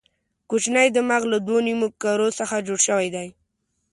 کوچنی دماغ له دوو نیمو کرو څخه جوړ شوی دی.